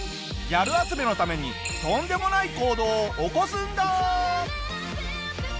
ギャル集めのためにとんでもない行動を起こすんだ！